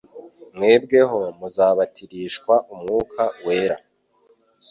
mwebweho muzabatirishwa Umwuka Wera